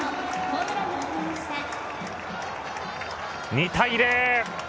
２対０。